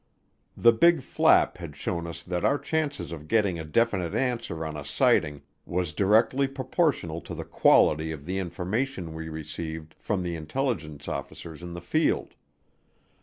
The Big Flap had shown us that our chances of getting a definite answer on a sighting was directly proportional to the quality of the information we received from the intelligence officers in the field.